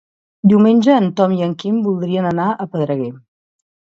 Diumenge en Tom i en Quim voldrien anar a Pedreguer.